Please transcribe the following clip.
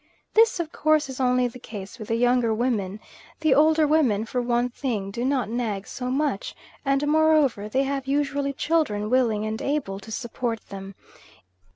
This of course is only the case with the younger women; the older women for one thing do not nag so much, and moreover they have usually children willing and able to support them.